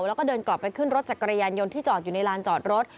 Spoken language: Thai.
แล้วก็เดินกลับไปขึ้นรถจักรยานยนต์ที่จอดอยู่ในลานจอดรถ